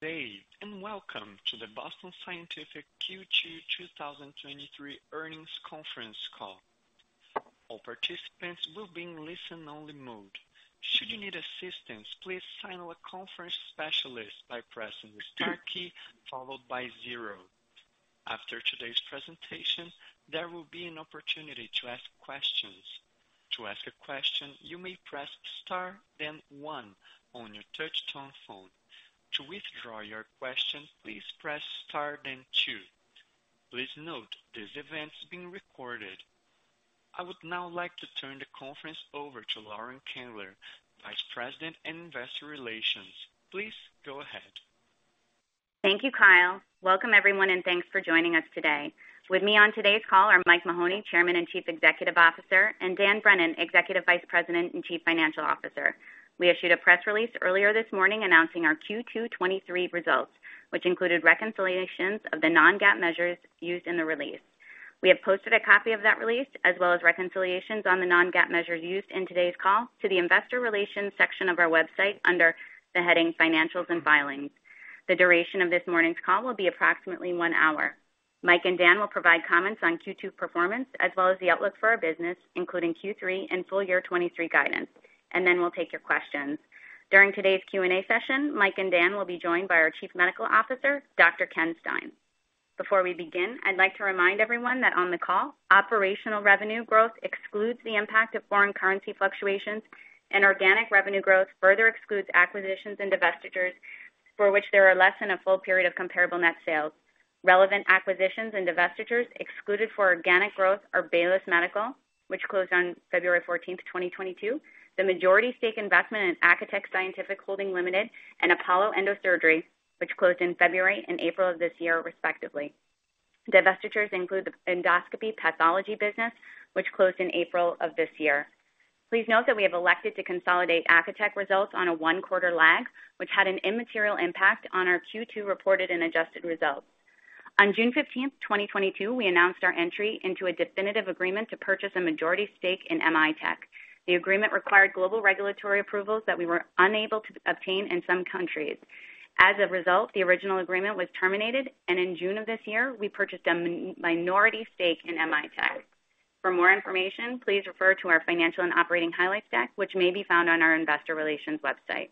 Good day, welcome to the Boston Scientific Q2 2023 earnings conference call. All participants will be in listen-only mode. Should you need assistance, please signal a conference specialist by pressing the star key followed by zero. After today's presentation, there will be an opportunity to ask questions. To ask a question, you may press star, then one on your touchtone phone. To withdraw your question, please press star, then two. Please note, this event is being recorded. I would now like to turn the conference over to Lauren Tengler, Vice President in Investor Relations. Please go ahead. Thank you, Kyle. Welcome everyone, thanks for joining us today. With me on today's call are Mike Mahoney, Chairman and Chief Executive Officer, and Dan Brennan, Executive Vice President and Chief Financial Officer. We issued a press release earlier this morning announcing our Q2 2023 results, which included reconciliations of the non-GAAP measures used in the release. We have posted a copy of that release, as well as reconciliations on the non-GAAP measures used in today's call, to the investor relations section of our website under the heading Financials and Filings. The duration of this morning's call will be approximately one hour. Mike and Dan will provide comments on Q2 performance, as well as the outlook for our business, including Q3 and full year 2023 guidance, then we'll take your questions. During today's Q&A session, Mike and Dan will be joined by our Chief Medical Officer, Dr. Ken Stein. Before we begin, I'd like to remind everyone that on the call, operational revenue growth excludes the impact of foreign currency fluctuations, and organic revenue growth further excludes acquisitions and divestitures, for which there are less than a full period of comparable net sales. Relevant acquisitions and divestitures excluded for organic growth are Baylis Medical, which closed on February 14th, 2022, the majority stake investment in Acotec Scientific Holdings Limited and Apollo Endosurgery, which closed in February and April of this year, respectively. Divestitures include the endoscopy pathology business, which closed in April of this year. Please note that we have elected to consolidate Acotec results on a one-quarter lag, which had an immaterial impact on our Q2 reported and adjusted results. On June 15th, 2022, we announced our entry into a definitive agreement to purchase a majority stake in M.I.TECH. The agreement required global regulatory approvals that we were unable to obtain in some countries. As a result, the original agreement was terminated. In June of this year, we purchased a minority stake in M.I.TECH. For more information, please refer to our financial and operating highlight stack, which may be found on our investor relations website.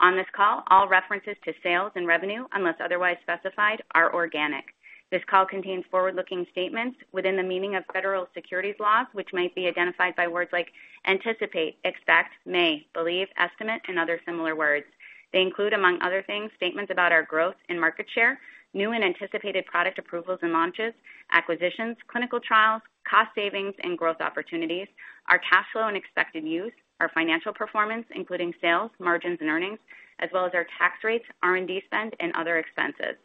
On this call, all references to sales and revenue, unless otherwise specified, are organic. This call contains forward-looking statements within the meaning of federal securities laws, which might be identified by words like anticipate, expect, may, believe, estimate, and other similar words. They include, among other things, statements about our growth and market share, new and anticipated product approvals and launches, acquisitions, clinical trials, cost savings and growth opportunities, our cash flow and expected use, our financial performance, including sales, margins, and earnings, as well as our tax rates, R&D spend, and other expenses.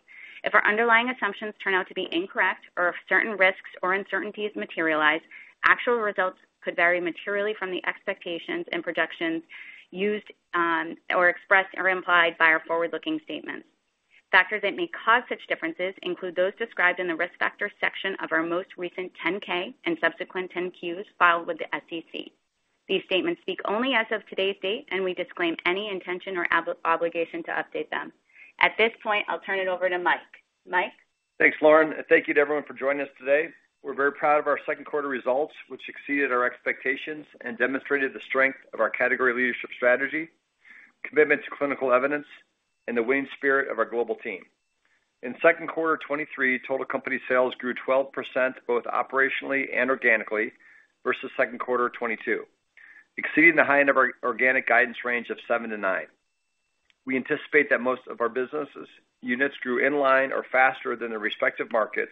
If our underlying assumptions turn out to be incorrect or if certain risks or uncertainties materialize, actual results could vary materially from the expectations and projections used or expressed or implied by our forward-looking statements. Factors that may cause such differences include those described in the Risk Factors section of our most recent 10-K and subsequent 10-Qs filed with the SEC. These statements speak only as of today's date, and we disclaim any intention or obligation to update them. At this point, I'll turn it over to Mike. Mike? Thanks, Lauren, and thank you to everyone for joining us today. We're very proud of our second quarter results, which exceeded our expectations and demonstrated the strength of our category leadership strategy, commitment to clinical evidence, and the winning spirit of our global team. In second quarter 2023, total company sales grew 12%, both operationally and organically, versus second quarter 2022, exceeding the high end of our organic guidance range of 7%-9%. We anticipate that most of our businesses units grew in line or faster than their respective markets,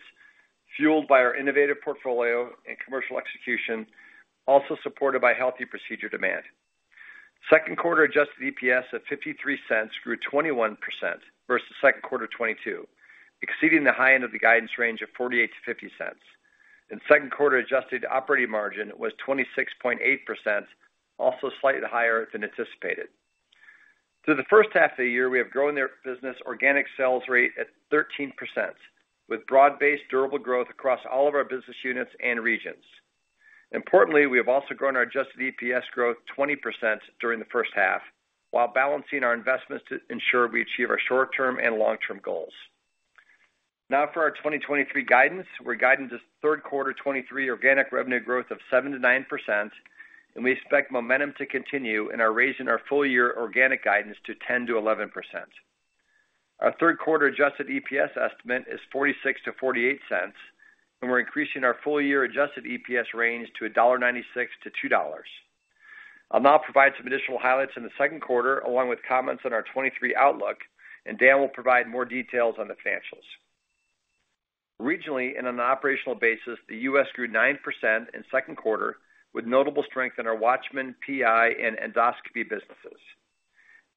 fueled by our innovative portfolio and commercial execution, also supported by healthy procedure demand. Second quarter adjusted EPS of $0.53 grew 21% versus second quarter 2022, exceeding the high end of the guidance range of $0.48-$0.50. In second quarter, adjusted operating margin was 26.8%, also slightly higher than anticipated. Through the first half of the year, we have grown their business organic sales rate at 13%, with broad-based durable growth across all of our business units and regions. Importantly, we have also grown our adjusted EPS growth 20% during the first half, while balancing our investments to ensure we achieve our short-term and long-term goals. For our 2023 guidance, we're guiding this third quarter 2023 organic revenue growth of 7%-9%, and we expect momentum to continue and are raising our full year organic guidance to 10%-11%. Our third quarter adjusted EPS estimate is $0.46-$0.48, and we're increasing our full year adjusted EPS range to $1.96-$2.00. I'll now provide some additional highlights in the second quarter, along with comments on our 2023 outlook, and Dan Brennan will provide more details on the financials. Regionally, and on an operational basis, the U.S. grew 9% in second quarter, with notable strength in our WATCHMAN, PI, and endoscopy businesses.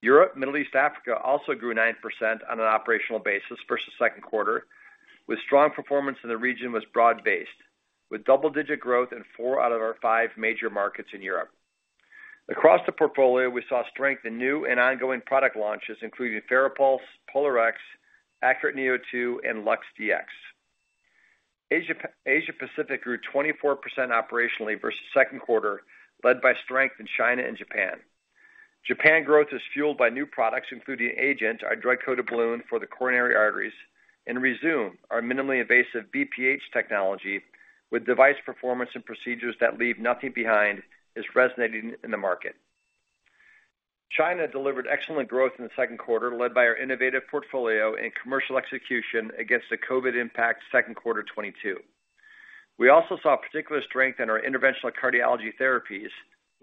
Europe, Middle East, Africa also grew 9% on an operational basis versus second quarter, with strong performance in the region was broad-based, with double-digit growth in four out of our five major markets in Europe. Across the portfolio, we saw strength in new and ongoing product launches, including FARAPULSE, POLARx, ACURATE neo2, and LUX-Dx. Asia Pacific grew 24% operationally versus second quarter, led by strength in China and Japan. Japan growth is fueled by new products, including Agent, our drug-coated balloon for the coronary arteries, and Rezum, our minimally invasive BPH technology, with device performance and procedures that leave nothing behind, is resonating in the market. China delivered excellent growth in the second quarter, led by our innovative portfolio and commercial execution against the COVID impact second quarter 2022. We also saw particular strength in our interventional cardiology therapies,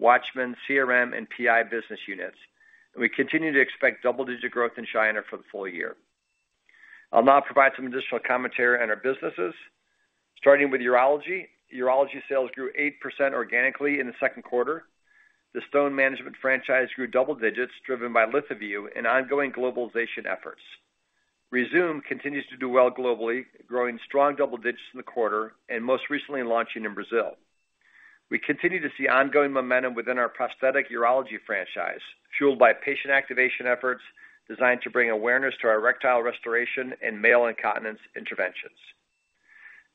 WATCHMAN, CRM, and PI business units. We continue to expect double-digit growth in China for the full year. I'll now provide some additional commentary on our businesses, starting with urology. Urology sales grew 8% organically in the second quarter. The stone management franchise grew double digits, driven by LithoVue and ongoing globalization efforts. Rezum continues to do well globally, growing strong double digits in the quarter and most recently launching in Brazil. We continue to see ongoing momentum within our prosthetic urology franchise, fueled by patient activation efforts designed to bring awareness to our erectile restoration and male incontinence interventions.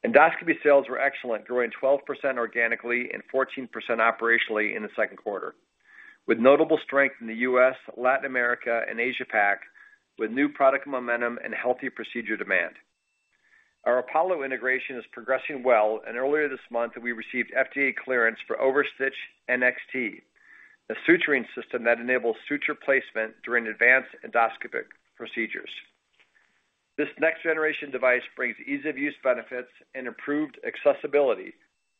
Endoscopy sales were excellent, growing 12% organically and 14% operationally in the second quarter, with notable strength in the U.S., Latin America, and Asia Pac, with new product momentum and healthy procedure demand. Our Apollo integration is progressing well, and earlier this month, we received FDA clearance for OverStitch NXT, a suturing system that enables suture placement during advanced endoscopic procedures. This next-generation device brings ease-of-use benefits and improved accessibility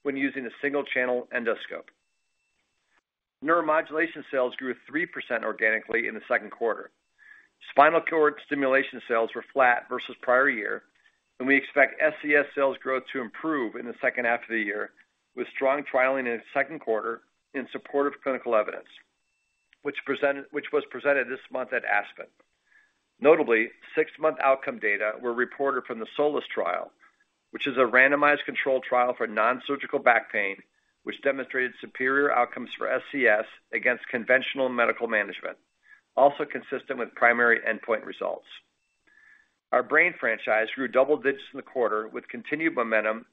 when using a single-channel endoscope. Neuromodulation sales grew 3% organically in the second quarter. Spinal cord stimulation sales were flat versus prior year, and we expect SCS sales growth to improve in the second half of the year, with strong trialing in the second quarter in support of clinical evidence, which was presented this month at ASPN. Notably, six-month outcome data were reported from the SOLACE trial, which is a randomized controlled trial for nonsurgical back pain, which demonstrated superior outcomes for SCS against conventional medical management, also consistent with primary endpoint results. Our brain franchise grew double digits in the quarter, with continued momentum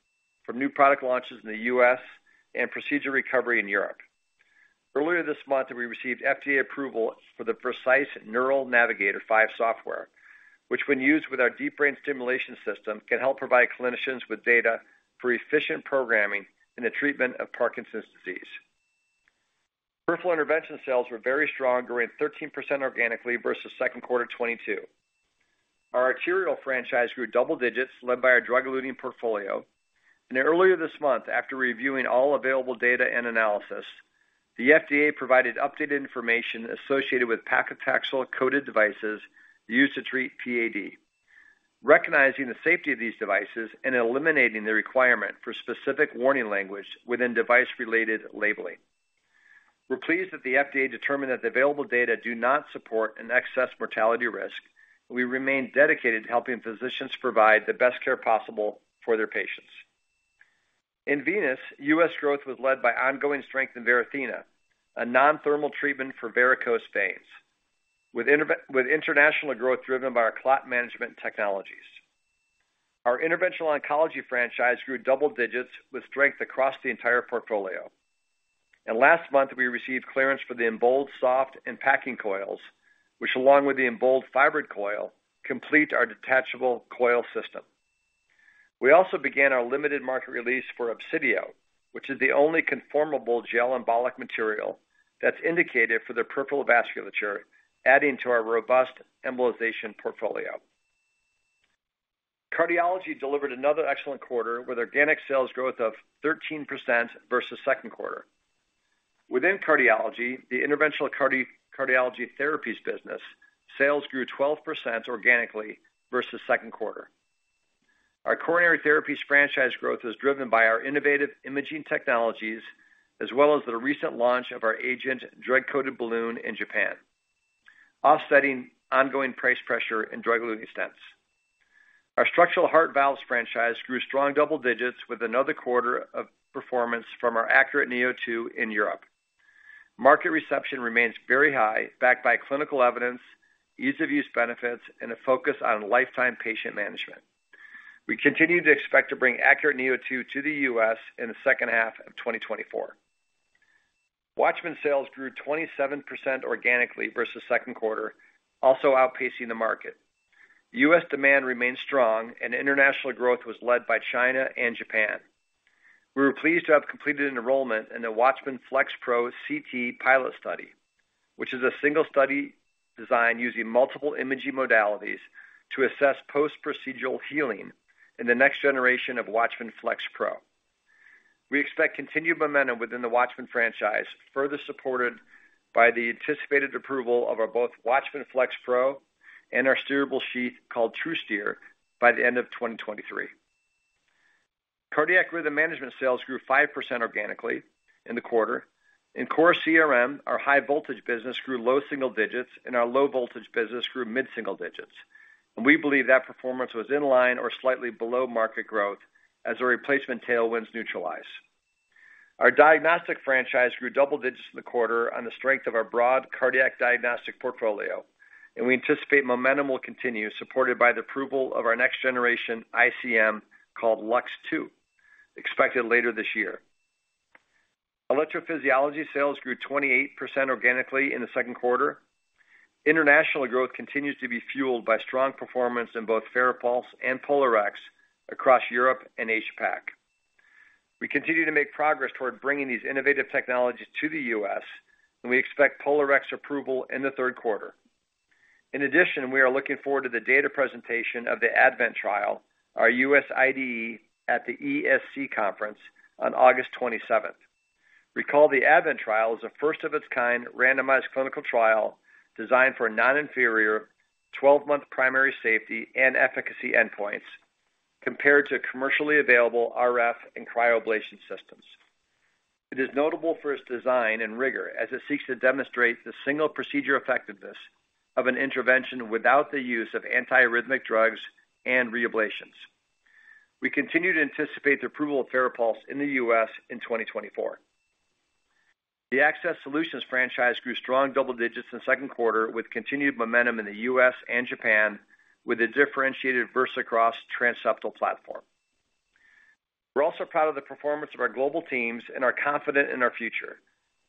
from new product launches in the U.S. and procedure recovery in Europe. Earlier this month, we received FDA approval for the PRECISE Neural Navigator 5 software, which, when used with our deep brain stimulation system, can help provide clinicians with data for efficient programming in the treatment of Parkinson's disease. Peripheral intervention sales were very strong, growing 13% organically versus second quarter 2022. Our arterial franchise grew double digits, led by our drug-eluting portfolio. Earlier this month, after reviewing all available data and analysis, the FDA provided updated information associated with paclitaxel-coated devices used to treat PAD, recognizing the safety of these devices and eliminating the requirement for specific warning language within device-related labeling. We're pleased that the FDA determined that the available data do not support an excess mortality risk. We remain dedicated to helping physicians provide the best care possible for their patients. In venous, U.S. growth was led by ongoing strength in Varithena, a non-thermal treatment for varicose veins, with international growth driven by our clot management technologies. Our interventional oncology franchise grew double digits with strength across the entire portfolio. Last month, we received clearance for the EMBOLD soft and packing coils, which, along with the EMBOLD fiber coil, complete our detachable coil system. We also began our limited market release for Obsidio, which is the only conformable gel embolic material that's indicated for the peripheral vasculature, adding to our robust embolization portfolio. Cardiology delivered another excellent quarter with organic sales growth of 13% versus second quarter. Within cardiology, the interventional cardiology therapies business, sales grew 12% organically versus second quarter. Our coronary therapies franchise growth is driven by our innovative imaging technologies, as well as the recent launch of our Agent drug-coated balloon in Japan, offsetting ongoing price pressure in drug-eluting stents. Our structural heart valves franchise grew strong double digits with another quarter of performance from our ACURATE neo2 in Europe. Market reception remains very high, backed by clinical evidence, ease-of-use benefits, and a focus on lifetime patient management. We continue to expect to bring ACURATE neo2 to the U.S. in the second half of 2024. WATCHMAN sales grew 27% organically versus second quarter, also outpacing the market. U.S. demand remains strong. International growth was led by China and Japan. We were pleased to have completed an enrollment in the WATCHMAN FLX Pro CT pilot study, which is a single study design using multiple imaging modalities to assess post-procedural healing in the next generation of WATCHMAN FLX Pro. We expect continued momentum within the WATCHMAN franchise, further supported by the anticipated approval of our both WATCHMAN FLX Pro and our steerable sheath, called TruSTEER, by the end of 2023. Cardiac rhythm management sales grew 5% organically in the quarter. In core CRM, our high voltage business grew low single digits, our low voltage business grew mid-single digits, we believe that performance was in line or slightly below market growth as the replacement tailwinds neutralize. Our diagnostic franchise grew double digits in the quarter on the strength of our broad cardiac diagnostic portfolio, we anticipate momentum will continue, supported by the approval of our next generation ICM, called LUX-Dx II, expected later this year. Electrophysiology sales grew 28% organically in the second quarter. International growth continues to be fueled by strong performance in both FARAPULSE and POLARx across Europe and APAC. We continue to make progress toward bringing these innovative technologies to the U.S., we expect POLARx approval in the third quarter. In addition, we are looking forward to the data presentation of the ADVENT trial, our U.S. IDE, at the ESC conference on August 27th. The ADVENT trial is a first of its kind randomized clinical trial designed for a non-inferior 12-month primary safety and efficacy endpoints, compared to commercially available RF and cryoablation systems. It is notable for its design and rigor, as it seeks to demonstrate the single procedure effectiveness of an intervention without the use of antiarrhythmic drugs and reablations. We continue to anticipate the approval of FARAPULSE in the U.S. in 2024. The access solutions franchise grew strong double digits in the second quarter, with continued momentum in the U.S. and Japan, with a differentiated VersaCross transseptal platform. We're also proud of the performance of our global teams and are confident in our future.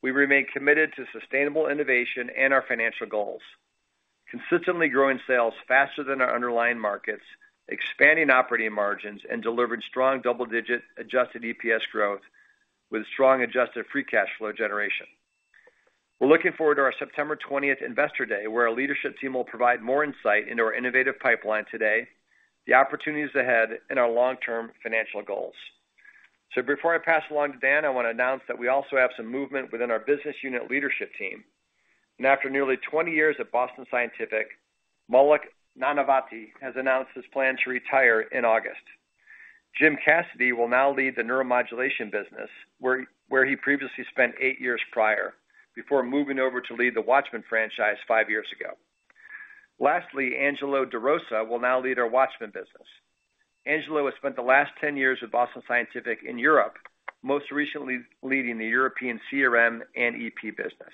We remain committed to sustainable innovation and our financial goals, consistently growing sales faster than our underlying markets, expanding operating margins, and delivering strong double-digit adjusted EPS growth with strong adjusted free cash flow generation. We're looking forward to our September 20th Investor Day, where our leadership team will provide more insight into our innovative pipeline today, the opportunities ahead, and our long-term financial goals. Before I pass along to Dan, I want to announce that we also have some movement within our business unit leadership team. After nearly 20 years at Boston Scientific, Maulik Nanavaty has announced his plan to retire in August. Jim Cassidy will now lead the Neuromodulation business, where he previously spent eight years prior, before moving over to lead the WATCHMAN franchise five years ago. Lastly, Angelo De Rosa will now lead our WATCHMAN business. Angelo has spent the last 10 years with Boston Scientific in Europe, most recently leading the European CRM and EP business.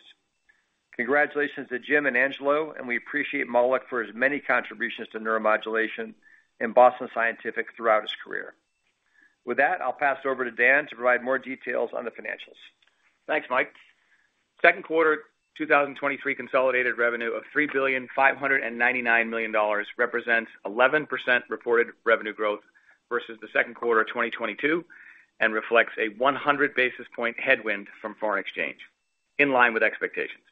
Congratulations to Jim and Angelo, and we appreciate Maulik for his many contributions to neuromodulation in Boston Scientific throughout his career. With that, I'll pass it over to Dan to provide more details on the financials. Thanks, Mike. Second quarter 2023 consolidated revenue of $3.599 billion represents 11% reported revenue growth versus the second quarter of 2022, reflects a 100 basis point headwind from foreign exchange, in line with expectations.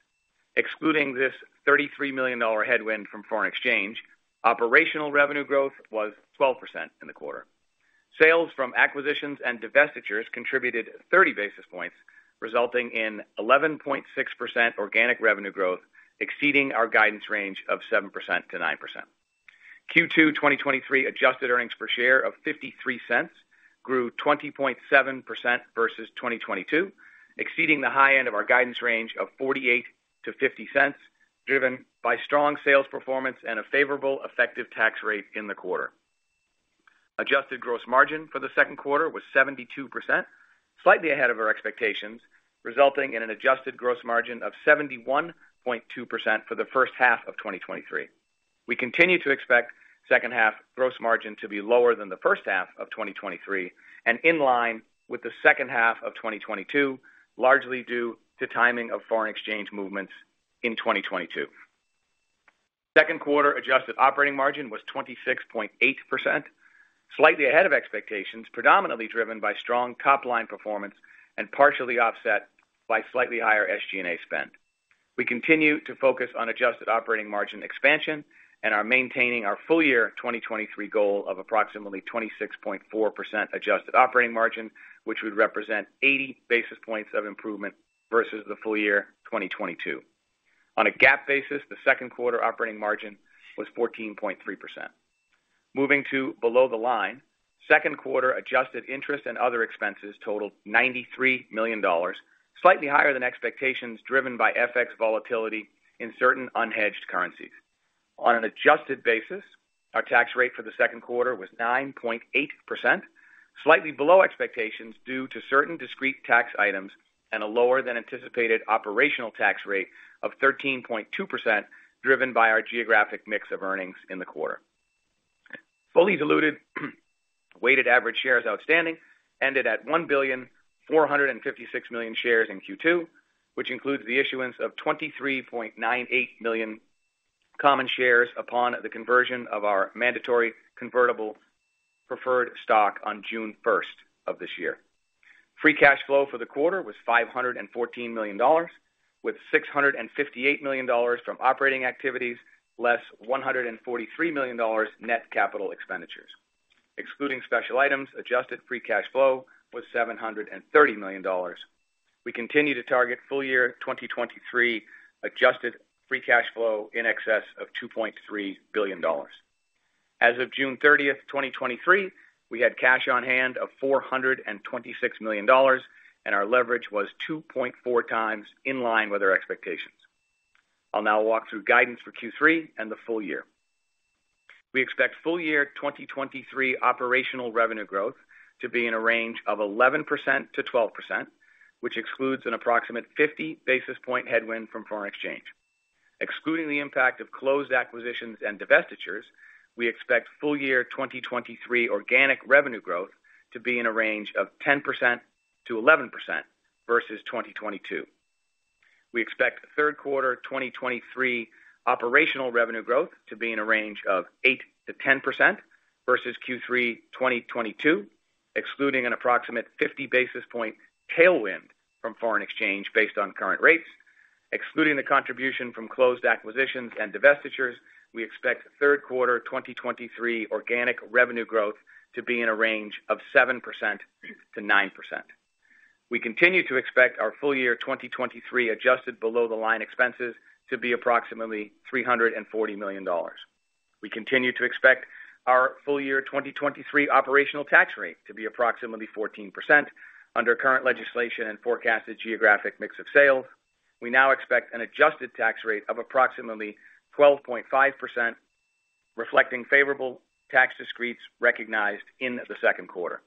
Excluding this $33 million headwind from foreign exchange, operational revenue growth was 12% in the quarter. Sales from acquisitions and divestitures contributed 30 basis points, resulting in 11.6% organic revenue growth, exceeding our guidance range of 7%-9%. Q2 2023 adjusted earnings per share of $0.53 grew 20.7% versus 2022, exceeding the high end of our guidance range of $0.48-$0.50, driven by strong sales performance and a favorable effective tax rate in the quarter. Adjusted gross margin for the second quarter was 72%, slightly ahead of our expectations, resulting in an adjusted gross margin of 71.2% for the first half of 2023. We continue to expect second half gross margin to be lower than the first half of 2023, and in line with the second half of 2022, largely due to timing of foreign exchange movements in 2022. Second quarter adjusted operating margin was 26.8%, slightly ahead of expectations, predominantly driven by strong top-line performance and partially offset by slightly higher SG&A spend. We continue to focus on adjusted operating margin expansion and are maintaining our full year 2023 goal of approximately 26.4% adjusted operating margin, which would represent 80 basis points of improvement versus the full year 2022. On a GAAP basis, the second quarter operating margin was 14.3%. Moving to below the line, second quarter adjusted interest and other expenses totaled $93 million, slightly higher than expectations, driven by FX volatility in certain unhedged currencies. On an adjusted basis, our tax rate for the second quarter was 9.8%, slightly below expectations due to certain discrete tax items and a lower than anticipated operational tax rate of 13.2%, driven by our geographic mix of earnings in the quarter. Fully diluted, weighted average shares outstanding ended at 1,456 million shares in Q2, which includes the issuance of 23.98 million common shares upon the conversion of our mandatory convertible preferred stock on June first of this year. Free cash flow for the quarter was $514 million, with $658 million from operating activities, less $143 million net capital expenditures. Excluding special items, adjusted free cash flow was $730 million. We continue to target full year 2023 adjusted free cash flow in excess of $2.3 billion. As of June 30, 2023, we had cash on hand of $426 million, and our leverage was 2.4 times in line with our expectations. I'll now walk through guidance for Q3 and the full year. We expect full year 2023 operational revenue growth to be in a range of 11%-12%, which excludes an approximate 50 basis point headwind from foreign exchange. Excluding the impact of closed acquisitions and divestitures, we expect full year 2023 organic revenue growth to be in a range of 10%-11% versus 2022. We expect third quarter 2023 operational revenue growth to be in a range of 8%-10% versus Q3 2022, excluding an approximate 50 basis point tailwind from foreign exchange based on current rates. Excluding the contribution from closed acquisitions and divestitures, we expect third quarter 2023 organic revenue growth to be in a range of 7%-9%. We continue to expect our full year 2023 adjusted below-the-line expenses to be approximately $340 million. We continue to expect our full year 2023 operational tax rate to be approximately 14% under current legislation and forecasted geographic mix of sales. We now expect an adjusted tax rate of approximately 12.5%, reflecting favorable tax discretes recognized in the second quarter.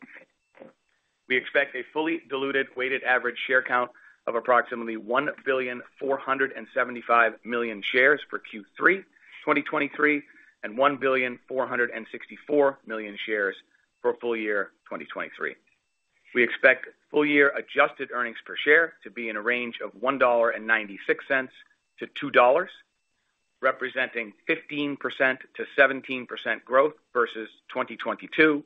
We expect a fully diluted weighted average share count of approximately 1.475 billion shares for Q3 2023, and 1.464 billion shares for full year 2023. We expect full year adjusted earnings per share to be in a range of $1.96-$2.00, representing 15%-17% growth versus 2022,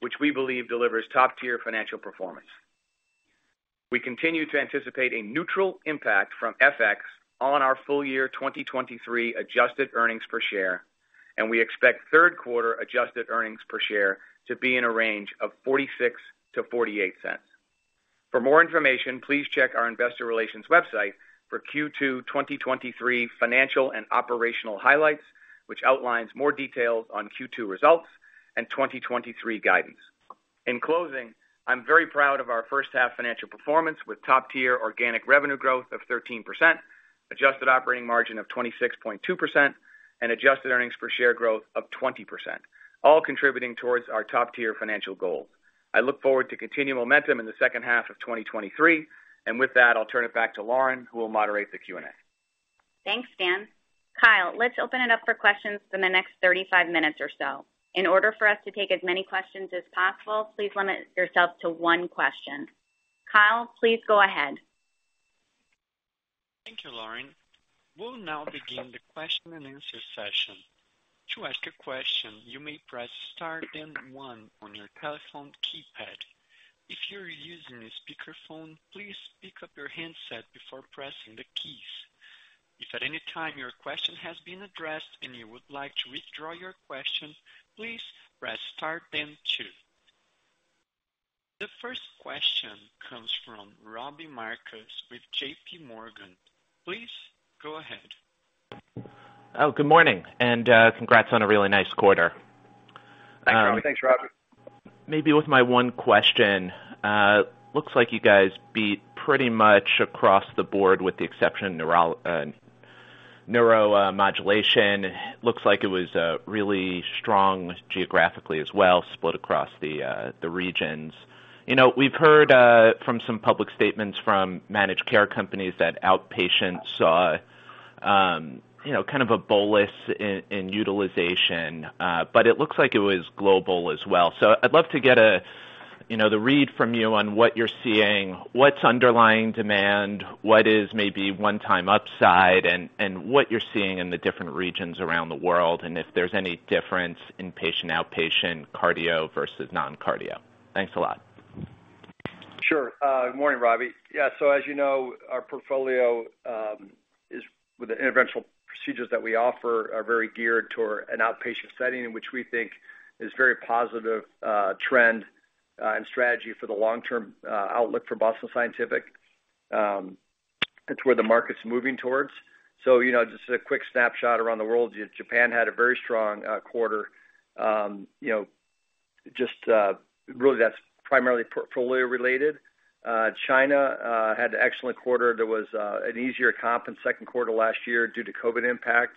which we believe delivers top-tier financial performance. We continue to anticipate a neutral impact from FX on our full year 2023 adjusted earnings per share, and we expect third quarter adjusted earnings per share to be in a range of $0.46-$0.48. For more information, please check our investor relations website for Q2 2023 financial and operational highlights, which outlines more details on Q2 results and 2023 guidance. In closing, I'm very proud of our first half financial performance, with top-tier organic revenue growth of 13%, adjusted operating margin of 26.2%, and adjusted earnings per share growth of 20%, all contributing towards our top-tier financial goals. I look forward to continued momentum in the second half of 2023, and with that, I'll turn it back to Lauren, who will moderate the Q&A. Thanks, Dan. Kyle, let's open it up for questions in the next 35 minutes or so. In order for us to take as many questions as possible, please limit yourselves to one question. Kyle, please go ahead. Thank you, Lauren. We'll now begin the question and answer session. To ask a question, you may press star then one on your telephone keypad. If you're using a speakerphone, please pick up your handset before pressing the keys. If at any time your question has been addressed and you would like to withdraw your question, please press star then two. The first question comes from Robbie Marcus with JPMorgan. Please go ahead. Oh, good morning, and congrats on a really nice quarter. Thanks, Robbie. Maybe with my one question, looks like you guys beat pretty much across the board, with the exception of neuromodulation. Looks like it was really strong geographically as well, split across the regions. You know, we've heard from some public statements from managed care companies that outpatients saw, you know, kind of a bolus in utilization, but it looks like it was global as well. I'd love to get a, you know, the read from you on what you're seeing, what's underlying demand, what is maybe one-time upside, and what you're seeing in the different regions around the world, and if there's any difference in patient, outpatient, cardio versus non-cardio. Thanks a lot. Sure. Good morning, Robbie. Yeah, as you know, our portfolio is with the interventional procedures that we offer, are very geared toward an outpatient setting, in which we think is very positive trend and strategy for the long-term outlook for Boston Scientific. It's where the market's moving towards. You know, just a quick snapshot around the world. Japan had a very strong quarter. You know, really, that's primarily portfolio-related. China had an excellent quarter. There was an easier comp in second quarter last year due to COVID impact.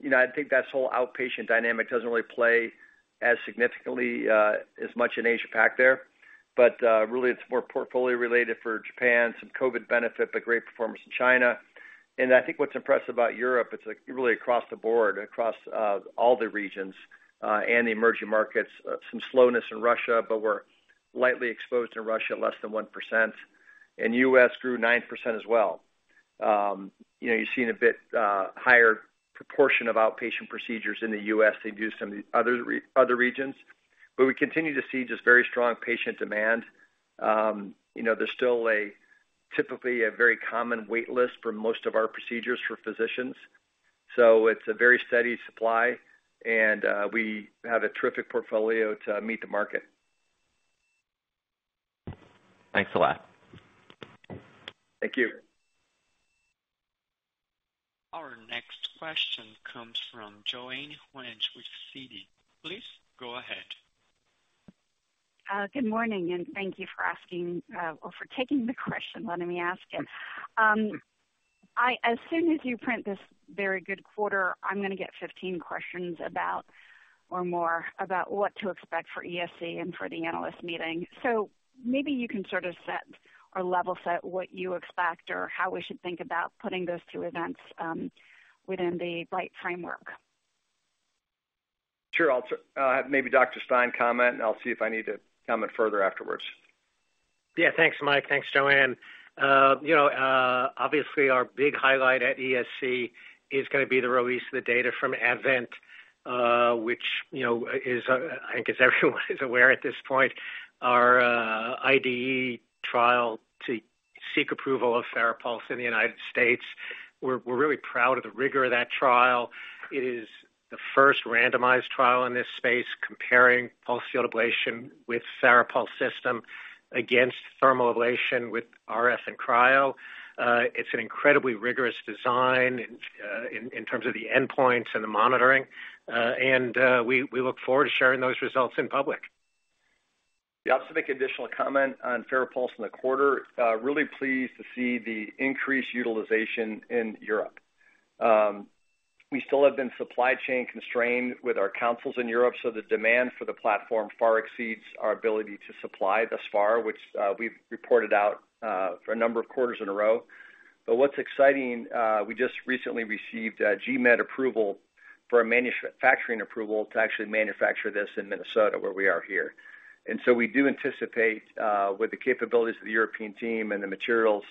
You know, I think that whole outpatient dynamic doesn't really play as significantly as much in Asia-Pac there. Really, it's more portfolio-related for Japan, some COVID benefit, but great performance in China. I think what's impressive about Europe, it's like really across the board, across all the regions and the emerging markets. Some slowness in Russia, but we're lightly exposed in Russia, less than 1%. U.S. grew 9% as well. You know, you've seen a bit higher proportion of outpatient procedures in the U.S. than you do some of the other regions. We continue to see just very strong patient demand. You know, there's still a typically a very common wait list for most of our procedures for physicians, so it's a very steady supply, and we have a terrific portfolio to meet the market. Thanks a lot. Thank you. Our next question comes from Joanne Wuensch with Citi. Please go ahead. Good morning, thank you for asking, or for taking the question, letting me ask it. As soon as you print this very good quarter, I'm going to get 15 questions about, or more, about what to expect for ESC and for the analyst meeting. Maybe you can sort of set or level set what you expect or how we should think about putting those two events within the right framework. Sure. I'll have maybe Dr. Stein comment, and I'll see if I need to comment further afterwards. Yeah. Thanks, Mike. Thanks, Joanne. you know, obviously, our big highlight at ESC is going to be the release of the data from ADVENT, which, you know, is, I guess everyone is aware at this point, our IDE trial to seek approval of FARAPULSE in the United States. We're really proud of the rigor of that trial. It is the first randomized trial in this space, comparing pulsed-field ablation with FARAPULSE system against thermal ablation with RF and cryo. It's an incredibly rigorous design in terms of the endpoints and the monitoring. we look forward to sharing those results in public. Yeah. I'll just make additional comment on FARAPULSE in the quarter. Really pleased to see the increased utilization in Europe. We still have been supply chain constrained with our councils in Europe, so the demand for the platform far exceeds our ability to supply thus far, which we've reported out for a number of quarters in a row. What's exciting, we just recently received a GMED approval for a manufacturing approval to actually manufacture this in Minnesota, where we are here. We do anticipate, with the capabilities of the European team and the materials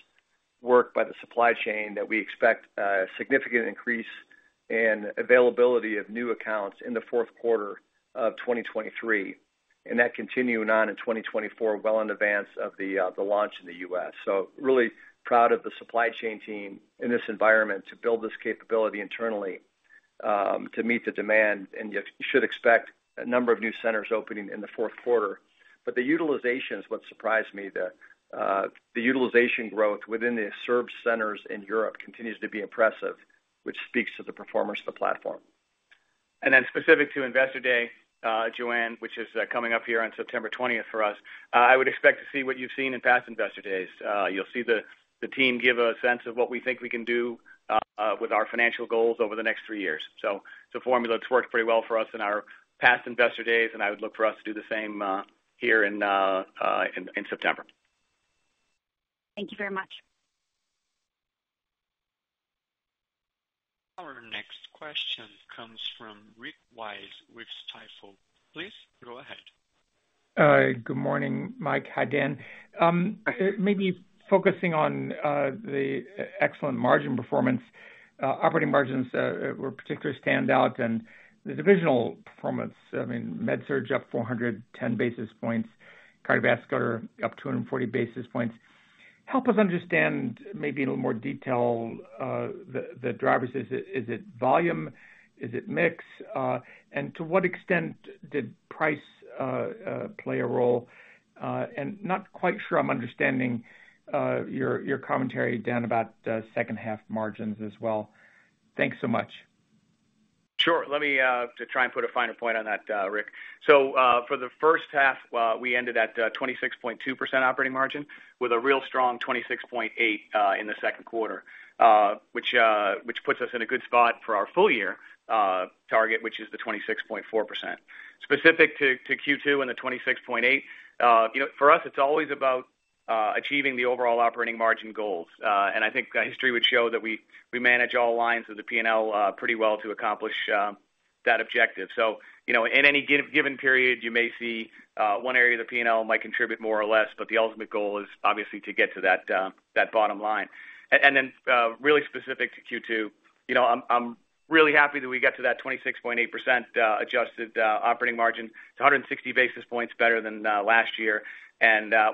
work by the supply chain, that we expect a significant increase in availability of new accounts in the fourth quarter of 2023, and that continuing on in 2024, well in advance of the launch in the U.S. Really proud of the supply chain team in this environment to build this capability internally, to meet the demand, and you should expect a number of new centers opening in the fourth quarter. The utilization is what surprised me. The utilization growth within the served centers in Europe continues to be impressive, which speaks to the performance of the platform. Specific to Investor Day, Joanne, which is coming up here on September 20th for us, I would expect to see what you've seen in past Investor Days. You'll see the team give a sense of what we think we can do with our financial goals over the next three years. It's a formula that's worked pretty well for us in our past Investor Days, and I would look for us to do the same, here in September. Thank you very much. Our next question comes from Rick Wise with Stifel. Please go ahead. Good morning Mike. Hi, Dan. Maybe focusing on the excellent margin performance. Operating margins were particularly stand out and the divisional performance, I mean, MedSurg up 410 basis points, cardiovascular up 240 basis points. Help us understand, maybe in a little more detail, the drivers. Is it volume? Is it mix? To what extent did price play a role? Not quite sure I'm understanding your commentary, Dan, about the second half margins as well. Thanks so much. Sure. Let me try and put a finer point on that, Rick. For the first half, we ended at 26.2% operating margin with a real strong 26.8% in the second quarter, which puts us in a good spot for our full year target, which is the 26.4%. Specific to Q2 and the 26.8%, you know, for us, it's always about achieving the overall operating margin goals. I think history would show that we manage all lines of the P&L pretty well to accomplish that objective. you know, in any given period, you may see one area of the P&L might contribute more or less, but the ultimate goal is obviously to get to that bottom line. really specific to Q2, you know, I'm really happy that we got to that 26.8% adjusted operating margin. It's 160 basis points better than last year.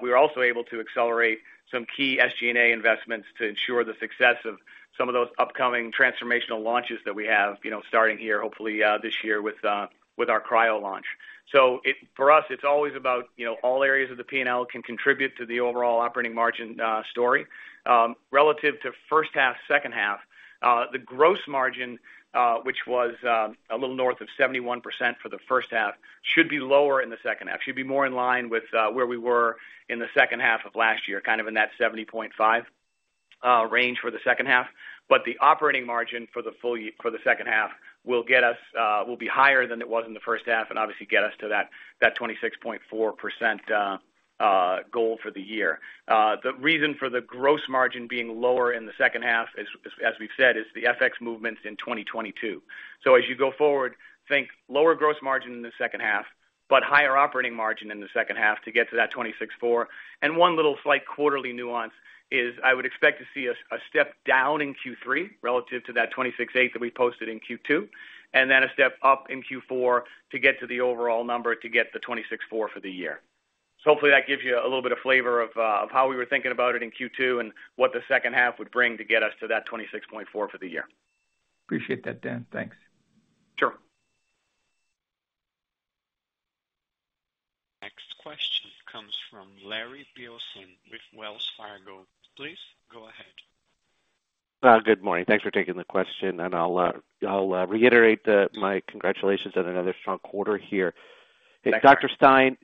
we were also able to accelerate some key SG&A investments to ensure the success of some of those upcoming transformational launches that we have, you know, starting here, hopefully, this year with our cryo launch. for us, it's always about, you know, all areas of the P&L can contribute to the overall operating margin story. Relative to first half, second half, the gross margin, which was a little north of 71% for the first half, should be lower in the second half, should be more in line with where we were in the second half of last year, kind of in that 70.5 range for the second half. The operating margin for the second half, will get us, will be higher than it was in the first half, and obviously get us to that 26.4% goal for the year. The reason for the gross margin being lower in the second half, as we've said, is the FX movements in 2022. As you go forward, think lower gross margin in the second half, but higher operating margin in the second half to get to that 26.4%. One little slight quarterly nuance is I would expect to see a step down in Q3 relative to that 26.8% that we posted in Q2, and then a step up in Q4 to get to the overall number, to get the 26.4% for the year. Hopefully that gives you a little bit of flavor of how we were thinking about it in Q2 and what the second half would bring to get us to that 26.4% for the year. Appreciate that, Dan. Thanks. Sure. Next question comes from Larry Biegelsen with Wells Fargo. Please go ahead. Good morning. Thanks for taking the question. I'll reiterate my congratulations on another strong quarter here. Dr. Stein,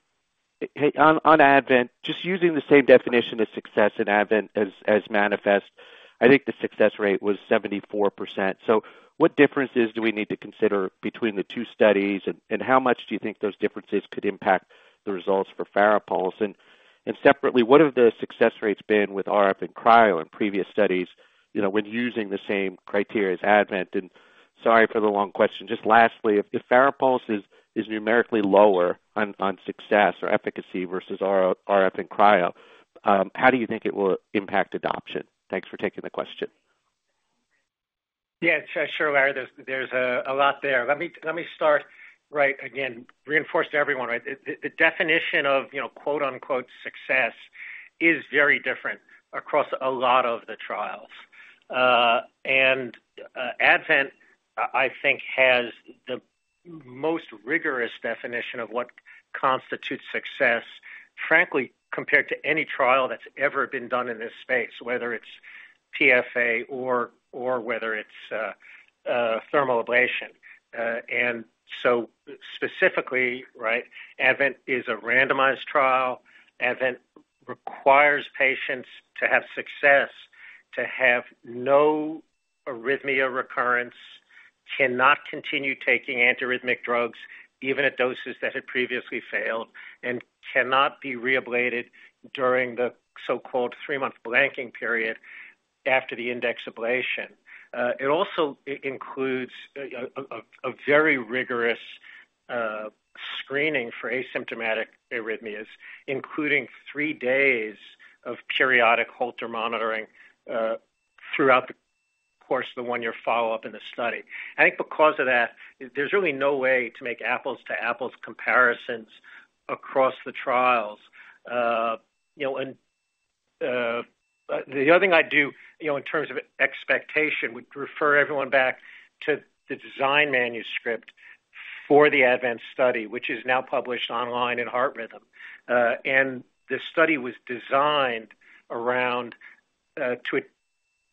on ADVENT, just using the same definition of success in ADVENT as Manifest, I think the success rate was 74%. What differences do we need to consider between the two studies? How much do you think those differences could impact the results for FARAPULSE? Separately, what have the success rates been with RF and cryo in previous studies, you know, when using the same criteria as ADVENT? Sorry for the long question. Just lastly, if FARAPULSE is numerically lower on success or efficacy versus RF and cryo, how do you think it will impact adoption? Thanks for taking the question. Yeah, sure, Larry. There's a lot there. Let me start, again, reinforce to everyone. The definition of, you know, quote, unquote, success is very different across a lot of the trials. ADVENT, I think, has the most rigorous definition of what constitutes success, frankly, compared to any trial that's ever been done in this space, whether it's TFA or whether it's thermal ablation. Specifically, ADVENT is a randomized trial. ADVENT requires patients to have success, to have no arrhythmia recurrence, cannot continue taking antiarrhythmic drugs, even at doses that had previously failed, and cannot be reablated during the so-called three-month blanking period after the index ablation. It also includes a very rigorous screening for asymptomatic arrhythmias, including three days of periodic Holter monitoring throughout the course of the one-year follow-up in the study. I think because of that, there's really no way to make apples to apples comparisons across the trials. You know, and the other thing I'd do, you know, in terms of expectation, would refer everyone back to the design manuscript for the ADVENT study, which is now published online in Heart Rhythm. And the study was designed around to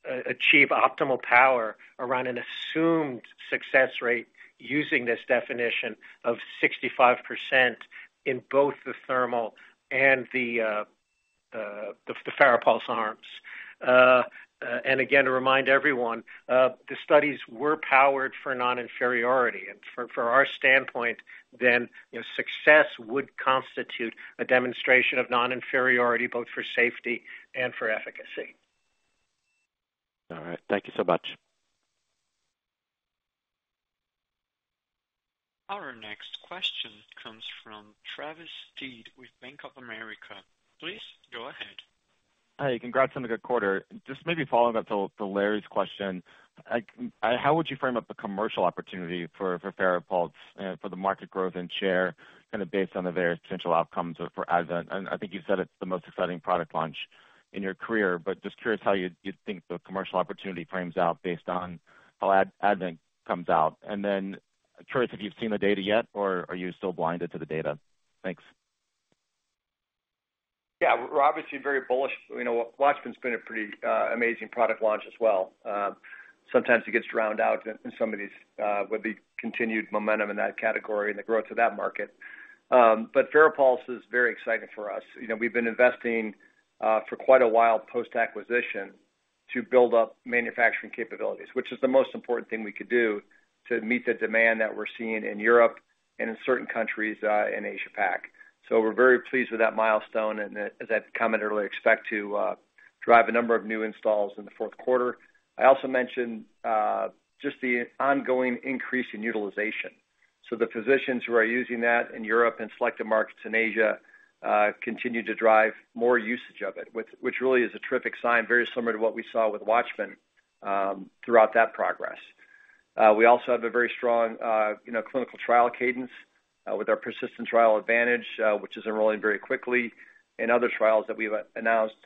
achieve optimal power around an assumed success rate, using this definition of 65% in both the thermal and the FARAPULSE arms. And again, to remind everyone, the studies were powered for non-inferiority. For our standpoint, then, you know, success would constitute a demonstration of non-inferiority, both for safety and for efficacy. All right. Thank you so much. Our next question comes from Travis Steed with Bank of America. Please go ahead. Hi, congrats on a good quarter. Just maybe following up to Larry's question, how would you frame up the commercial opportunity for FARAPULSE for the market growth and share, kind of based on the various potential outcomes for ADVENT? I think you've said it's the most exciting product launch in your career, but just curious how you think the commercial opportunity frames out based on how ADVENT comes out. Then, Troy, have you seen the data yet, or are you still blinded to the data? Thanks. Yeah, we're obviously very bullish. You know, WATCHMAN's been a pretty amazing product launch as well. Sometimes it gets drowned out in some of these, with the continued momentum in that category and the growth of that market. FARAPULSE is very exciting for us. You know, we've been investing for quite a while post-acquisition to build up manufacturing capabilities, which is the most important thing we could do to meet the demand that we're seeing in Europe and in certain countries, in Asia Pac. We're very pleased with that milestone and as that comment, really expect to drive a number of new installs in the fourth quarter. I also mentioned just the ongoing increase in utilization. The physicians who are using that in Europe and selected markets in Asia continue to drive more usage of it, which really is a terrific sign, very similar to what we saw with WATCHMAN throughout that progress. We also have a very strong clinical trial cadence with our persistent trial ADVANTAGE, which is enrolling very quickly and other trials that we've announced,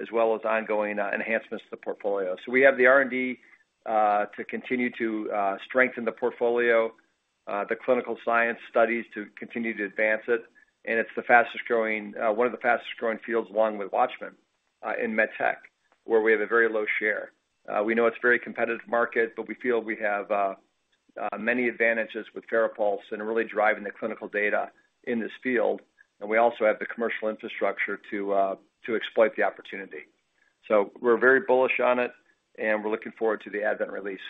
as well as ongoing enhancements to the portfolio. We have the R&D to continue to strengthen the portfolio, the clinical science studies to continue to advance it. It's the fastest growing, one of the fastest growing fields along with WATCHMAN in MedTech, where we have a very low share. We know it's a very competitive market, but we feel we have many advantages with FARAPULSE and are really driving the clinical data in this field. We also have the commercial infrastructure to exploit the opportunity. We're very bullish on it, and we're looking forward to the ADVENT release.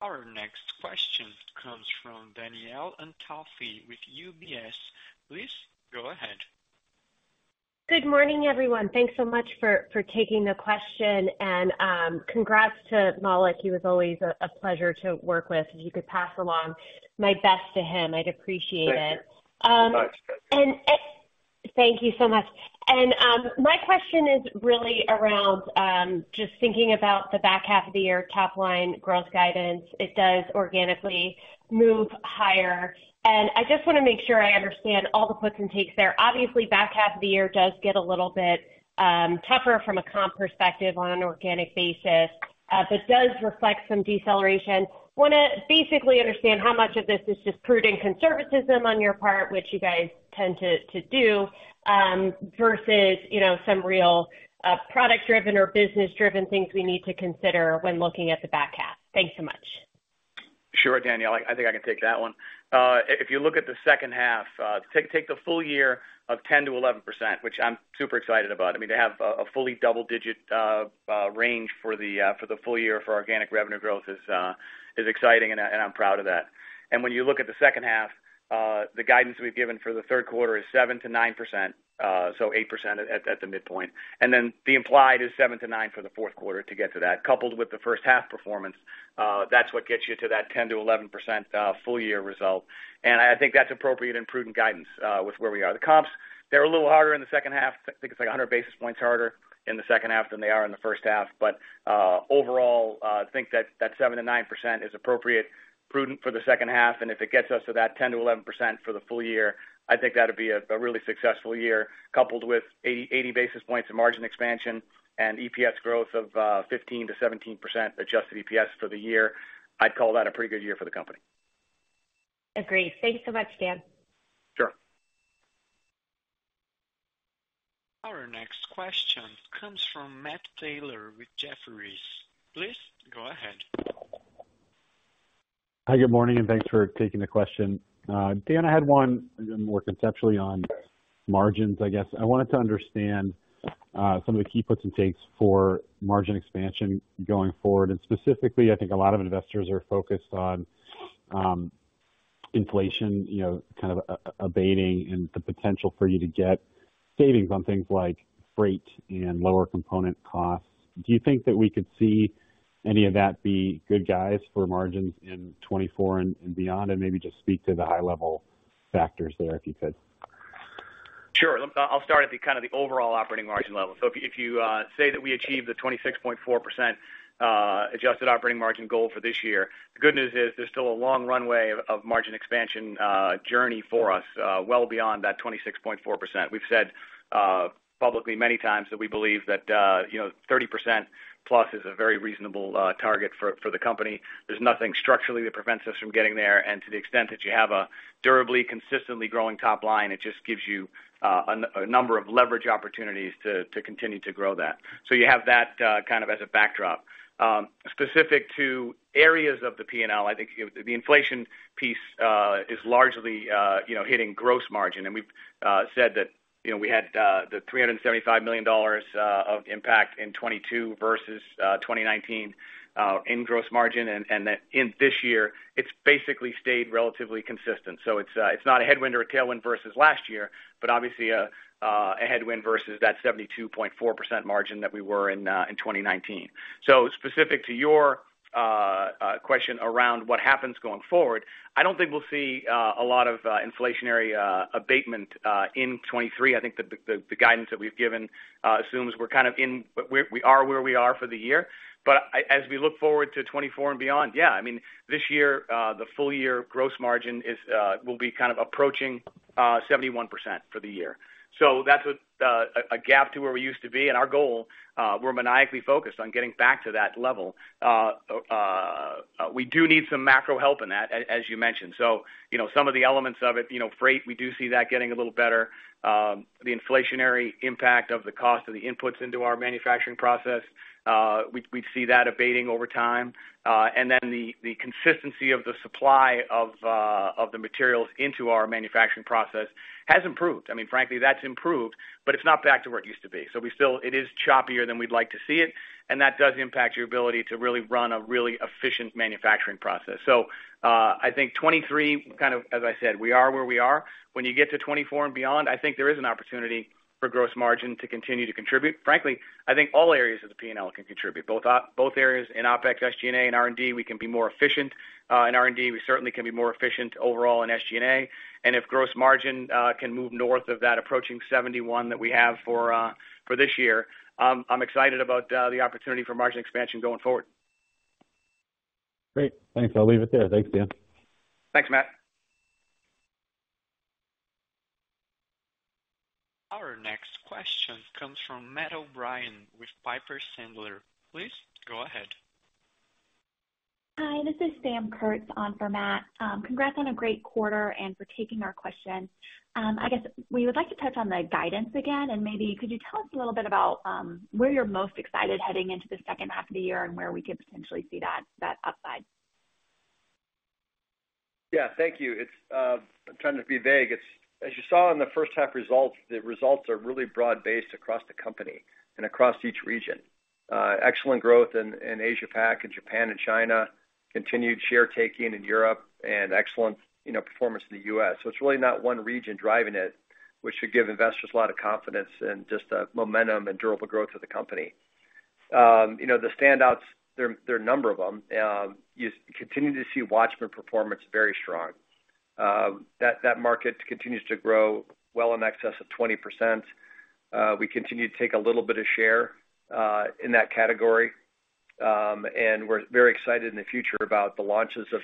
Our next question comes from Danielle Antalffy with UBS. Please go ahead. Good morning, everyone. Thanks so much for taking the question, and congrats to Maulik. He was always a pleasure to work with. If you could pass along my best to him, I'd appreciate it. Thank you very much. Thank you so much. My question is really around just thinking about the back half of the year top line growth guidance. It does organically move higher, and I just want to make sure I understand all the puts and takes there. Obviously, back half of the year does get a little bit tougher from a comp perspective on an organic basis, but does reflect some deceleration. Want to basically understand how much of this is just prudent conservatism on your part, which you guys tend to do, versus, you know, some real product-driven or business-driven things we need to consider when looking at the back half. Thanks so much. Sure, Danielle, I think I can take that one. If you look at the second half, take the full year of 10%-11%, which I'm super excited about. I mean, to have a fully double-digit range for the full year for organic revenue growth is exciting, and I'm proud of that. When you look at the second half, the guidance we've given for the third quarter is 7%-9%, so 8% at the midpoint. The implied is 7%-9% for the fourth quarter to get to that. Coupled with the first half performance, that's what gets you to that 10%-11% full year result. I think that's appropriate and prudent guidance with where we are. The comps, they're a little harder in the second half. I think it's like 100 basis points harder in the second half than they are in the first half. Overall, I think that 7%-9% is appropriate, prudent for the second half, and if it gets us to that 10%-11% for the full year, I think that'd be a really successful year, coupled with 80 basis points of margin expansion and EPS growth of 15%-17% adjusted EPS for the year. I'd call that a pretty good year for the company. Agreed. Thank you so much, Dan. Sure. Our next question comes from Matt Taylor with Jefferies. Please go ahead. Hi, good morning, and thanks for taking the question. Dan, I had one more conceptually on margins, I guess. I wanted to understand some of the key puts and takes for margin expansion going forward. Specifically, I think a lot of investors are focused on inflation, you know, kind of abating and the potential for you to get savings on things like freight and lower component costs. Do you think that we could see any of that be good guys for margins in 2024 and beyond? Maybe just speak to the high level factors there, if you could. Sure. I'll start at the kind of the overall operating margin level. If you say that we achieved the 26.4% adjusted operating margin goal for this year, the good news is there's still a long runway of margin expansion journey for us well beyond that 26.4%. We've said publicly many times that we believe that, you know, 30%+ is a very reasonable target for the company. There's nothing structurally that prevents us from getting there. To the extent that you have a durably, consistently growing top line, it just gives you a number of leverage opportunities to continue to grow that. You have that kind of as a backdrop. Specific to areas of the P&L, I think the inflation piece is largely, you know, hitting gross margin. We've said that, you know, we had the $375 million of impact in 2022 versus 2019 in gross margin, that in this year, it's basically stayed relatively consistent. It's not a headwind or a tailwind versus last year, but obviously a headwind versus that 72.4% margin that we were in in 2019. Specific to your question around what happens going forward, I don't think we'll see a lot of inflationary abatement in 2023. I think the guidance that we've given assumes we're kind of we are where we are for the year. As we look forward to 2024 and beyond, I mean, this year, the full year gross margin is will be kind of approaching 71% for the year. That's a gap to where we used to be. Our goal, we're maniacally focused on getting back to that level. We do need some macro help in that, as you mentioned. You know, some of the elements of it, you know, freight, we do see that getting a little better. The inflationary impact of the cost of the inputs into our manufacturing process, we see that abating over time. The consistency of the supply of the materials into our manufacturing process has improved. I mean, frankly, that's improved, but it's not back to where it used to be. It is choppier than we'd like to see it, and that does impact your ability to really run a really efficient manufacturing process. I think 2023, kind of, as I said, we are where we are. When you get to 2024 and beyond, I think there is an opportunity for gross margin to continue to contribute. Frankly, I think all areas of the P&L can contribute. Both areas in OpEx, SG&A and R&D, we can be more efficient. In R&D, we certainly can be more efficient overall in SG&A. If gross margin can move north of that, approaching 71% that we have for this year, I'm excited about the opportunity for margin expansion going forward. Great. Thanks. I'll leave it there. Thanks, Dan. Thanks, Matt. Our next question comes from Matt O'Brien with Piper Sandler. Please go ahead. Hi, this is Samantha Kurtz on for Matt. Congrats on a great quarter and for taking our questions. I guess we would like to touch on the guidance again, maybe could you tell us a little bit about where you're most excited heading into the second half of the year and where we could potentially see that upside? Yeah, thank you. It's, I'm trying not to be vague. It's as you saw in the first half results, the results are really broad-based across Boston Scientific and across each region. Excellent growth in Asia-Pac, in Japan and China, continued share taking in Europe, and excellent, you know, performance in the U.S. It's really not one region driving it, which should give investors a lot of confidence in just the momentum and durable growth of Boston Scientific. You know, the standouts, there are a number of them. You continue to see WATCHMAN performance very strong. That market continues to grow well in excess of 20%. We continue to take a little bit of share in that category. We're very excited in the future about the launches of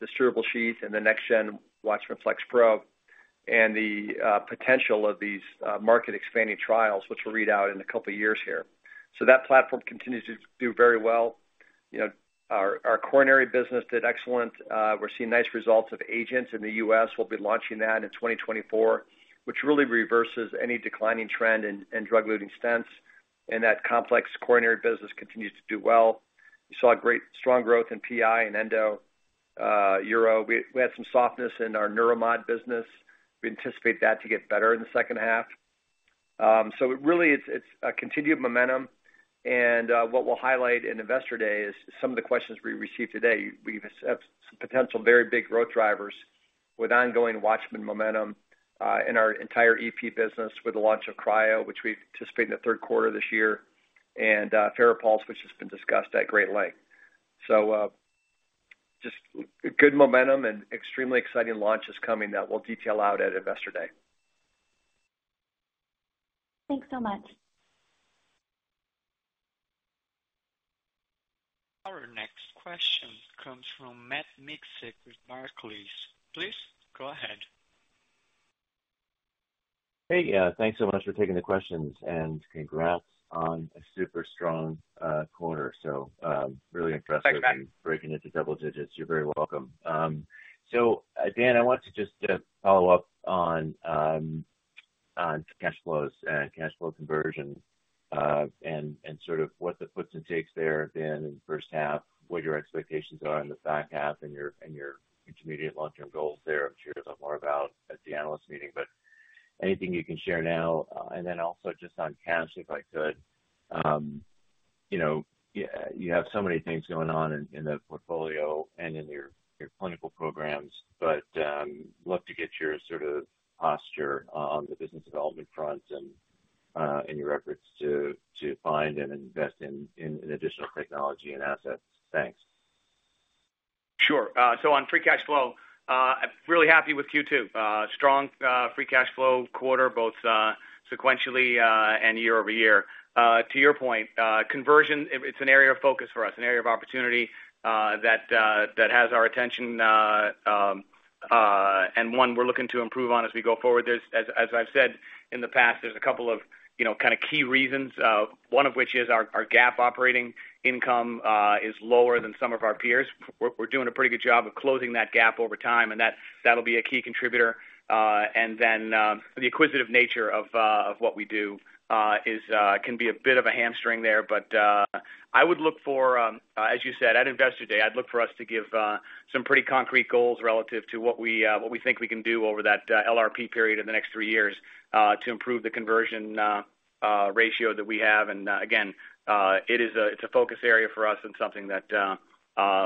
the durable sheath and the next-gen WATCHMAN FLX Pro and the potential of these market expanding trials, which we'll read out in two years here. That platform continues to do very well. You know, our coronary business did excellent. We're seeing nice results of Agent in the U.S. We'll be launching that in 2024, which really reverses any declining trend in drug-eluting stents. That complex coronary business continues to do well. We saw great strong growth in PI and Endo, Europe. We had some softness in our Neuromod business. We anticipate that to get better in the second half. Really, it's a continued momentum. What we'll highlight in Investor Day is some of the questions we received today. We've have some potential, very big growth drivers with ongoing WATCHMAN momentum, in our entire EP business with the launch of cryo, which we anticipate in the third quarter this year, and FARAPULSE, which has been discussed at great length. Just good momentum and extremely exciting launches coming that we'll detail out at Investor Day. Thanks so much. Our next question comes from Matt Miksic with Barclays. Please go ahead. Hey, thanks so much for taking the questions, and congrats on a super strong quarter. Really impressive- Thank you. breaking into double digits. You're very welcome. Dan, I want to just follow up on cash flows and cash flow conversion and sort of what the puts and takes there been in the first half, what your expectations are in the back half, and your intermediate long-term goals there. I'm sure you'll know more about at the analyst meeting, but anything you can share now. Then also just on cash, if I could. You know, you have so many things going on in the portfolio and in your clinical programs. Love to get your sort of posture on the business development front and in your efforts to find and invest in additional technology and assets. Thanks. Sure. On free cash flow, I'm really happy with Q2. Strong free cash flow quarter, both sequentially and year-over-year. To your point, conversion, it's an area of focus for us, an area of opportunity that has our attention, and one we're looking to improve on as we go forward. There's, as I've said in the past, there's a couple of, you know, kind of key reasons, one of which is our GAAP operating income is lower than some of our peers. We're doing a pretty good job of closing that gap over time, and that'll be a key contributor. The acquisitive nature of what we do is can be a bit of a hamstring there. I would look for, as you said, at Investor Day, I'd look for us to give some pretty concrete goals relative to what we think we can do over that LRP period of the next three years to improve the conversion ratio that we have. Again, it is a, it's a focus area for us and something that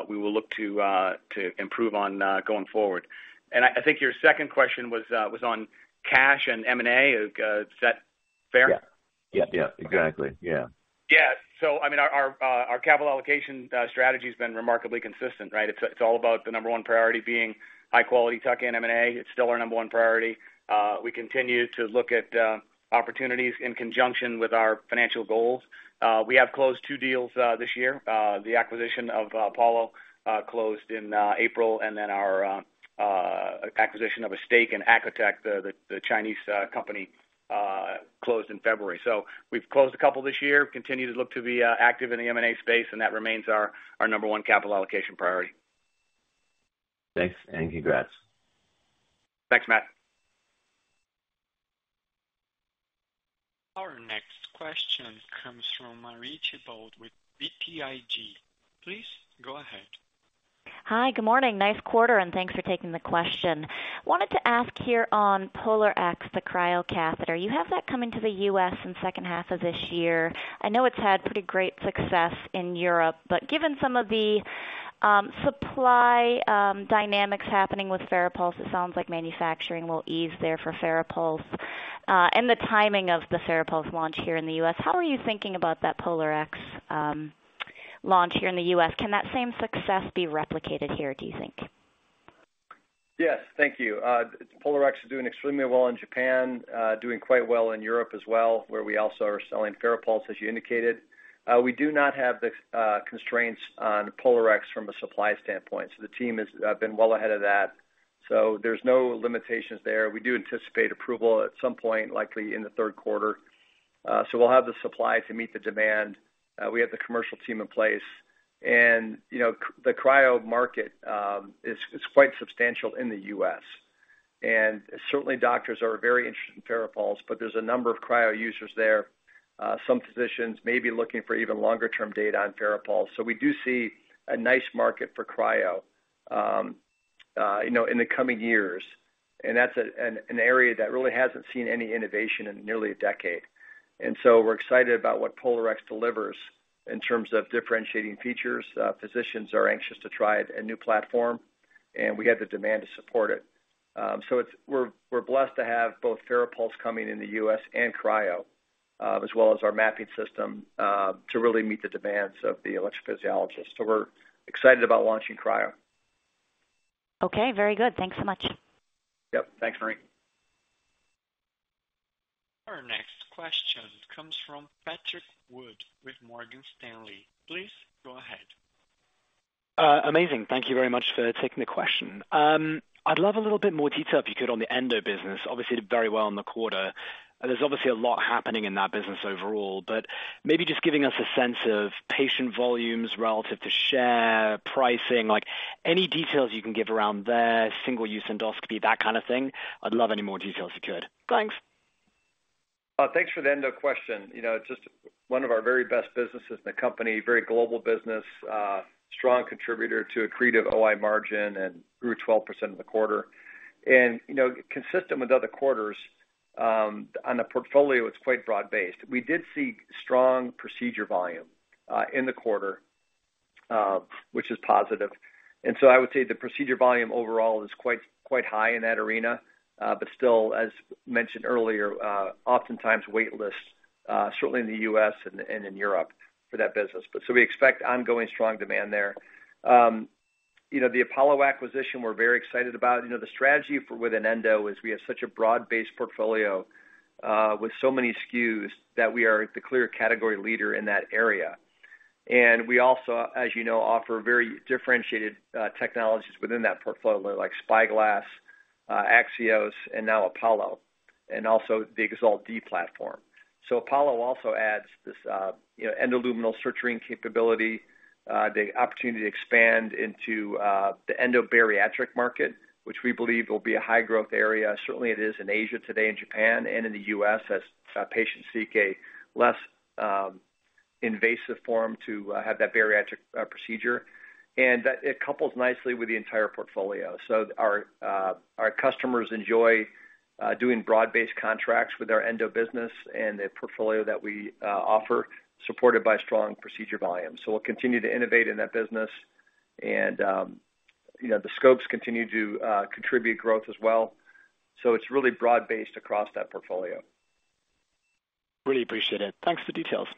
we will look to improve on going forward. I think your second question was on cash and M&A. Is that fair? Yeah. Yeah, yeah, exactly. Yeah. I mean, our capital allocation strategy has been remarkably consistent, right? It's, it's all about the number one priority being high quality tuck-in M&A. It's still our number one priority. We continue to look at opportunities in conjunction with our financial goals. We have closed two deals this year. The acquisition of Apollo closed in April, and then our acquisition of a stake in Acotec, the Chinese company, closed in February. We've closed a couple this year. Continue to look to be active in the M&A space, and that remains our number one capital allocation priority. Thanks, and congrats. Thanks, Matt. Our next question comes from Marie Thibault with BTIG. Please go ahead. Hi, good morning. Nice quarter. Thanks for taking the question. Wanted to ask here on POLARx, the cryo catheter. You have that coming to the U.S. in second half of this year. I know it's had pretty great success in Europe. Given some of the supply dynamics happening with FARAPULSE, it sounds like manufacturing will ease there for FARAPULSE and the timing of the FARAPULSE launch here in the U.S. How are you thinking about that POLARx launch here in the U.S.? Can that same success be replicated here, do you think? Yes, thank you. POLARx is doing extremely well in Japan, doing quite well in Europe as well, where we also are selling FARAPULSE, as you indicated. We do not have the constraints on POLARx from a supply standpoint, the team has been well ahead of that. There's no limitations there. We do anticipate approval at some point, likely in the third quarter. We'll have the supply to meet the demand. We have the commercial team in place. You know, the cryo market is quite substantial in the U.S., and certainly doctors are very interested in FARAPULSE, there's a number of cryo users there. Some physicians may be looking for even longer term data on FARAPULSE. we do see a nice market for cryo, you know, in the coming years, and that's an area that really hasn't seen any innovation in nearly a decade. we're excited about what POLARx delivers in terms of differentiating features. Physicians are anxious to try a new platform, and we have the demand to support it. we're blessed to have both FARAPULSE coming in the U.S. and cryo, as well as our mapping system, to really meet the demands of the electrophysiologist. we're excited about launching cryo. Okay, very good. Thanks so much. Yep. Thanks, Marie. Our next question comes from Patrick Wood with Morgan Stanley. Please go ahead. Amazing. Thank you very much for taking the question. I'd love a little bit more detail, if you could, on the endo business. Obviously, did very well in the quarter. There's obviously a lot happening in that business overall, maybe just giving us a sense of patient volumes relative to share, pricing, like any details you can give around there, single-use endoscopy, that kind of thing. I'd love any more details if you could. Thanks! Thanks for the end of question. You know, just one of our very best businesses in the company, very global business, strong contributor to accretive OI margin and grew 12% in the quarter. You know, consistent with other quarters, on the portfolio, it's quite broad-based. We did see strong procedure volume in the quarter, which is positive. I would say the procedure volume overall is quite high in that arena, but still, as mentioned earlier, oftentimes wait lists, certainly in the U.S. and in Europe for that business. We expect ongoing strong demand there. You know, the Apollo acquisition, we're very excited about. You know, the strategy for with Endo is we have such a broad-based portfolio, with so many SKUs, that we are the clear category leader in that area. We also, as you know, offer very differentiated technologies within that portfolio, like SpyGlass, AXIOS, and now Apollo, and also the EXALT Model D platform. Apollo also adds this, you know, endoluminal suturing capability, the opportunity to expand into the endobariatric market, which we believe will be a high-growth area. Certainly, it is in Asia today, in Japan and in the U.S., as patients seek a less invasive form to have that bariatric procedure. That it couples nicely with the entire portfolio. Our customers enjoy doing broad-based contracts with our Endo business and the portfolio that we offer, supported by strong procedure volume. We'll continue to innovate in that business and, you know, the scopes continue to contribute growth as well. It's really broad-based across that portfolio. Really appreciate it. Thanks for the details.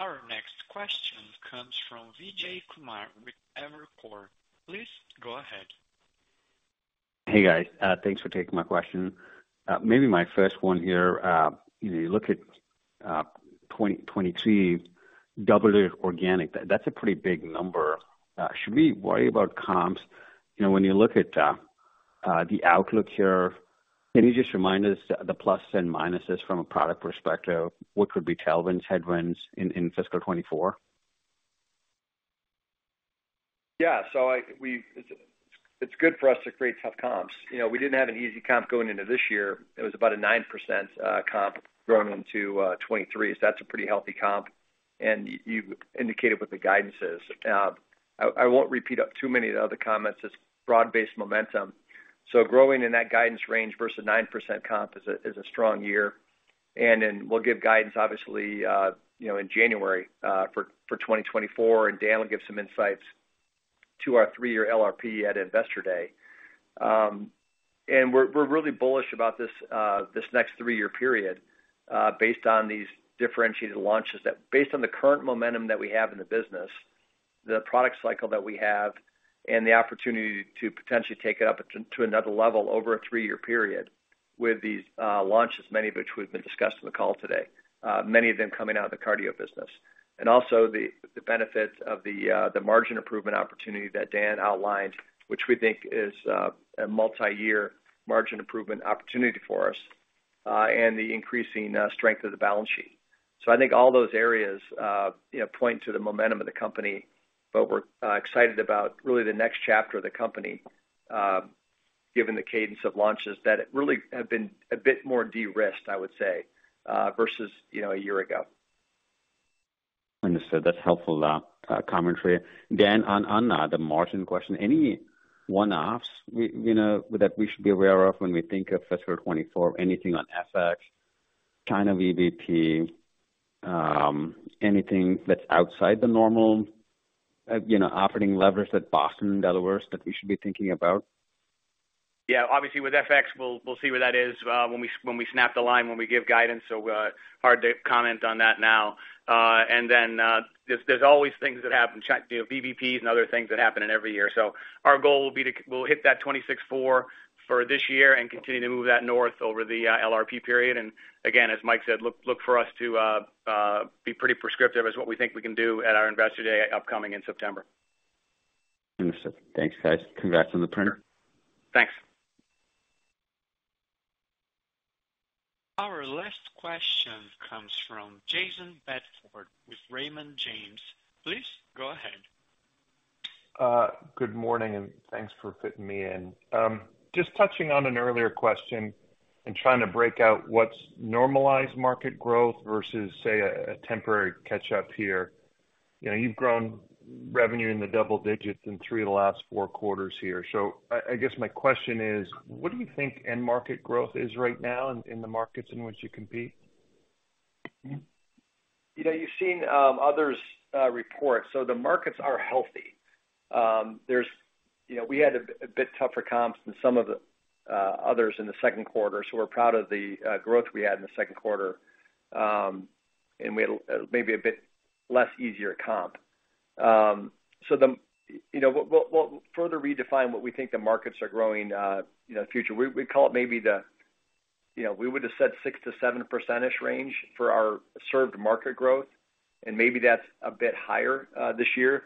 Sure. Our next question comes from Vijay Kumar with Evercore. Please go ahead. Hey, guys, thanks for taking my question. Maybe my first one here, you know, you look at 2023 2x organic, that's a pretty big number. Should we worry about comps? You know, when you look at the outlook here, can you just remind us the plus and minuses from a product perspective? What could be tailwinds, headwinds in fiscal 2024? Yeah. It's, it's good for us to create tough comps. You know, we didn't have an easy comp going into this year. It was about a 9% comp growing into 2023. That's a pretty healthy comp, and you indicated what the guidance is. I won't repeat up too many of the other comments. It's broad-based momentum. Growing in that guidance range versus 9% comp is a, is a strong year. We'll give guidance, obviously, you know, in January, for 2024, and Dan will give some insights to our three-year LRP at Investor Day. We're really bullish about this next three-year period, based on these differentiated launches, that based on the current momentum that we have in the business, the product cycle that we have, and the opportunity to potentially take it up to another level over a three-year period with these launches, many of which we've been discussing the call today, many of them coming out of the cardio business. Also the benefits of the margin improvement opportunity that Dan outlined, which we think is a multiyear margin improvement opportunity for us, and the increasing strength of the balance sheet. I think all those areas, you know, point to the momentum of the company, but we're excited about really the next chapter of the company, given the cadence of launches, that it really have been a bit more de-risked, I would say, versus, you know, a year ago. Understood. That's helpful commentary. Dan, on the margin question, any one-offs we, you know, that we should be aware of when we think of fiscal 2024? Anything on FX, China VBP, anything that's outside the normal, you know, operating levers at Boston and Delaware that we should be thinking about? Obviously with FX, we'll see where that is when we snap the line, when we give guidance. Hard to comment on that now. Then, there's always things that happen, you know, VBPs and other things that happen in every year. Our goal will be to hit that $26.4 for this year and continue to move that north over the LRP period. Again, as Mike said, look for us to be pretty prescriptive as what we think we can do at our Investor Day, upcoming in September. Understood. Thanks, guys. Congrats on the print. Thanks. Our last question comes from Jayson Bedford with Raymond James. Please go ahead. Good morning, thanks for fitting me in. Just touching on an earlier question and trying to break out what's normalized market growth versus, say, a temporary catch-up here. You know, you've grown revenue in the double-digits in three of the last four quarters here. I guess my question is: What do you think end market growth is right now in the markets in which you compete? You know, you've seen others report, so the markets are healthy. You know, we had a bit tougher comps than some of the others in the second quarter, so we're proud of the growth we had in the second quarter. We had a maybe a bit less easier comp. You know, we'll further redefine what we think the markets are growing, you know, in the future. We call it maybe the, you know, we would have said 6%-7% range for our served market growth, and maybe that's a bit higher this year.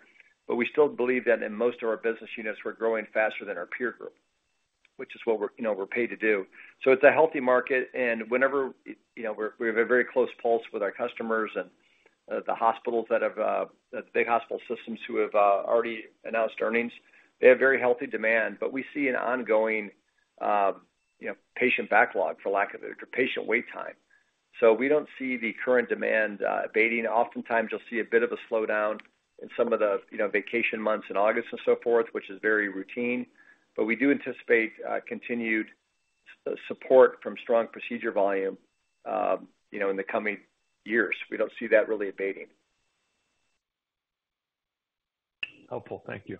We still believe that in most of our business units, we're growing faster than our peer group, which is what we're, you know, we're paid to do. It's a healthy market, and whenever, you know, we have a very close pulse with our customers and the hospitals that have the big hospital systems who have already announced earnings. They have very healthy demand, but we see an ongoing, you know, patient backlog, for lack of a better, patient wait time. We don't see the current demand abating. Oftentimes you'll see a bit of a slowdown in some of the, you know, vacation months in August and so forth, which is very routine. We do anticipate continued support from strong procedure volume, you know, in the coming years. We don't see that really abating. Helpful. Thank you.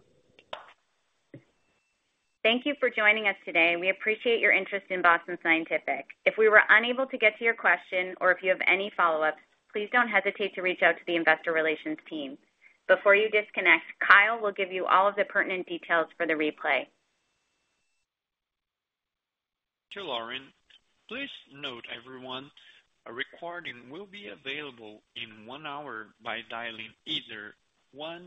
Thank you for joining us today. We appreciate your interest in Boston Scientific. If we were unable to get to your question or if you have any follow-ups, please don't hesitate to reach out to the investor relations team. Before you disconnect, Kyle will give you all of the pertinent details for the replay. Thank you, Lauren. Please note, everyone, a recording will be available in one hour by dialing either 1-877-344-7529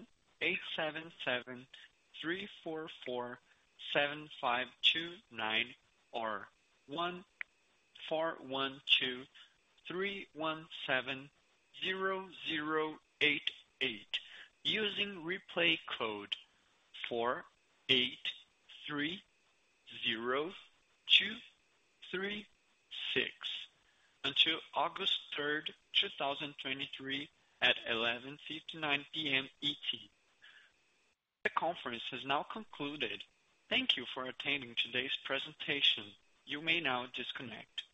or 1-412-317-0088, using replay code 4830236, until August third, 2023 at 11:59 P.M. ET. The conference has now concluded. Thank you for attending today's presentation. You may now disconnect.